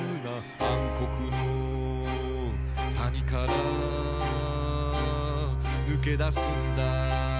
「暗黒の谷から脱けだすんだ」